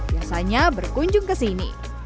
biasanya berkunjung ke sini